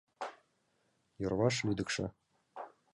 Йырваш лӱдыкшӧ...